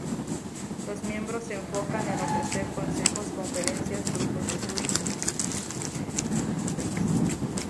Los miembros se enfocan en ofrecer consejos, conferencias, grupos de estudio, excursiones y publicaciones.